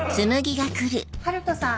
春斗さん